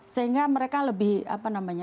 sehingga mereka lebih apa namanya